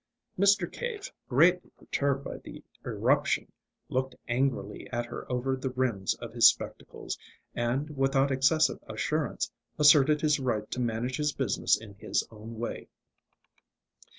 Mr. Cave, greatly perturbed by the irruption, looked angrily at her over the rims of his spectacles, and, without excessive assurance, asserted his right to manage his business in his own way.